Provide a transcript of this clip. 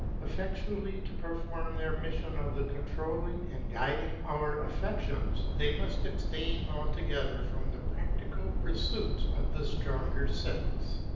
Effectually to perform their mission of controlling and guiding our affections, they must abstain altogether from the practical pursuits of the stronger sex.